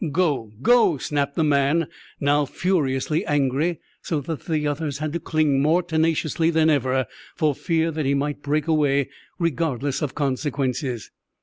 "Go—go!" snapped the man, now furiously angry, so that the others had to cling to him more tenaciously than ever for fear that he might break away, regardless of consequences.